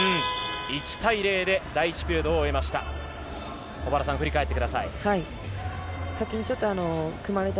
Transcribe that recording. １対０で第１ピリオドを終えました。